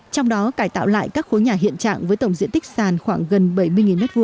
trong đó cải tạo lại các khối nhà hiện trạng với tổng diện tích sàn khoảng gần bảy mươi m hai